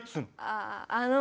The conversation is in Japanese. あああの。